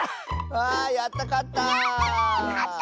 あやったかった！